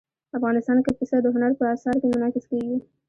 افغانستان کې پسه د هنر په اثار کې منعکس کېږي.